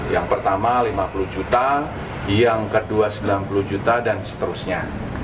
yang pertama lima puluh juta yang kedua sembilan puluh juta dan seterusnya